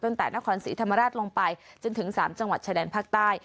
ตั้งแต่นครศรีธรรมราชลงไปจนถึง๓จังหวัดชายแดนภาคใต้